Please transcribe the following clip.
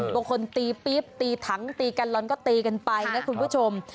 บางคนตีตีทั้งตีกันร้อนก็ตีกันไปนะครับคุณผู้ชม